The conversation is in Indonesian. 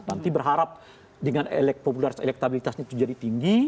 nanti berharap dengan elektabilitasnya itu jadi tinggi